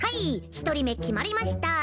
１人目決まりました。